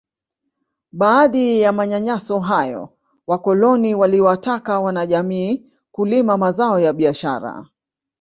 Baadhi ya manyanyaso hayo wakoloni waliwataka wanajamii kulima mazao ya biashara